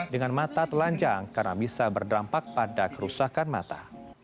dengan mata telanjang karena bisa berdampak pada kerusakan mata